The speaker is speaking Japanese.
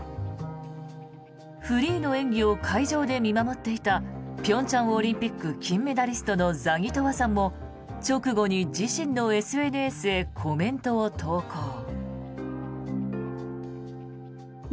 フリーの演技を会場で見守っていた平昌オリンピック金メダリストのザギトワさんも直後に自身のＳＮＳへコメントを投稿。